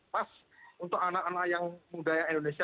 pas untuk anak anak yang muda indonesia